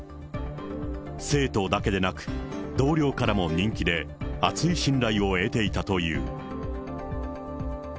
生徒だけでなく、同僚からも人気で厚い信頼を得ていたという。